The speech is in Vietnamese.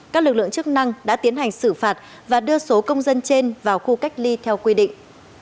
các lực lượng chức năng đã tiến hành xử phạt và đưa số công dân trên vào khu cách ly theo quy định